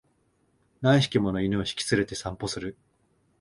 何匹もの犬を引き連れて散歩する